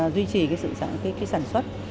duy trì cái sản xuất